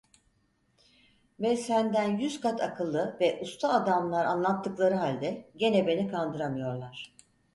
Ve senden yüz kat akıllı ve usta adamlar anlattıkları halde, gene beni kandıramıyorlar.